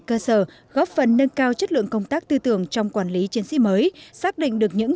cơ sở góp phần nâng cao chất lượng công tác tư tưởng trong quản lý chiến sĩ mới xác định được những